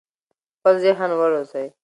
خپل ذهن وروزی.